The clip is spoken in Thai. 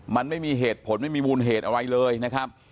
มันไม่มีเหตุผลไม่มีมูลเหตุอะไรเลยนะครับ